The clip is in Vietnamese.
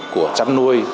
của chăn nuôi